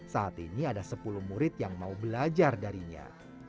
saat ini ada sepuluh murid yang mau belajar darinya